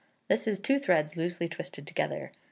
This is two threads loosely twisted together.